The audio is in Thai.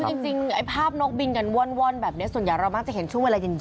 คือจริงไอ้ภาพนกบินกันว่อนแบบนี้ส่วนใหญ่เรามักจะเห็นช่วงเวลาเย็น